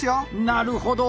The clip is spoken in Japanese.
なるほど。